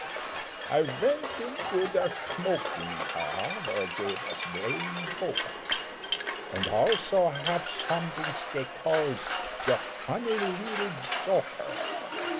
I vent indo der shmoking car, Vhere dhey vas blaying boker, Und also haf somedings dhey calls Der funny "leedle joker."